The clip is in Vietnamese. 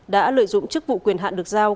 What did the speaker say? đã lợi dụng chức vụ quyền hạn được giao